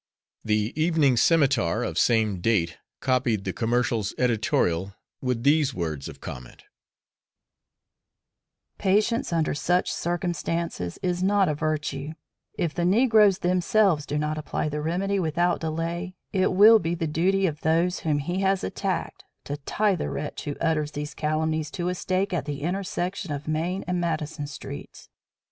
The Evening Scimitar of same date, copied the Commercial's editorial with these words of comment: Patience under such circumstances is not a virtue. If the negroes themselves do not apply the remedy without delay it will be the duty of those whom he has attacked to tie the wretch who utters these calumnies to a stake at the intersection of Main and Madison Sts.